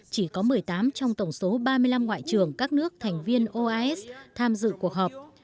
chỉ có một mươi tám trong tổng số ba mươi năm ngoại trưởng các nước thành viên oas tham dự cuộc họp